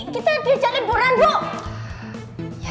kita dia jaga buruan bu